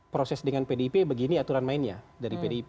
proses dengan pdip begini aturan mainnya dari pdip